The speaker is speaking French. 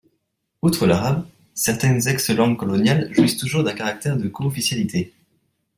Outre l'arabe, certaines ex-langues coloniales jouissent toujours d'un caractère de coofficialité.